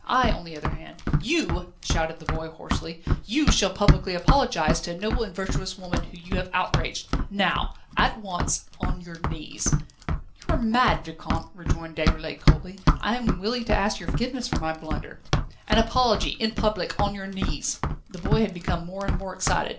I, on the other hand ..." "You," shouted the boy hoarsely, "you shall publicly apologise to a noble and virtuous woman whom you have outraged now at once on your knees ..." "You are mad, Vicomte," rejoined Déroulède coldly. "I am willing to ask your forgiveness for my blunder ..." "An apology in public on your knees ..." The boy had become more and more excited.